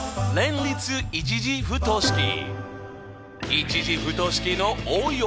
１次不等式の応用！